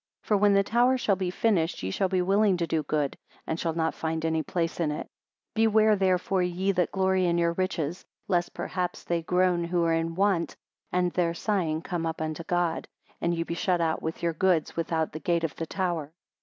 For when the tower shall be finished, ye shall be willing to do good, and shall not find any place in it. 101 Beware, therefore, ye that glory in your riches, lest perhaps they groan who are in want, and their sighing come up unto God, and ye be shut out with your goods without the gate of the tower.